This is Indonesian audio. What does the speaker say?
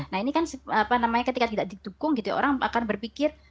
nah ini kan ketika tidak didukung orang akan berpikir